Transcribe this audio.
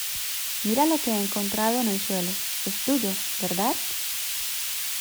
mira lo que he encontrado en el suelo. es tuyo, ¿ verdad?